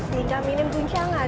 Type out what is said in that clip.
sehingga minim guncangan